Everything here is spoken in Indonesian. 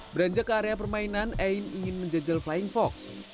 beranjak ke area permainan ain ingin menjajal flying fox